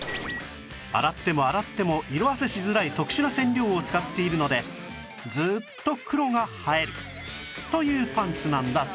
洗っても洗っても色褪せしづらい特殊な染料を使っているのでずっと黒が映えるというパンツなんだそう